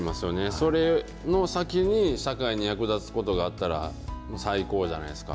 それの先に、社会に役立つことがあったら最高じゃないですか。